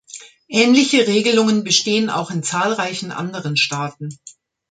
Ähnliche Regelungen bestehen auch in zahlreichen anderen Staaten.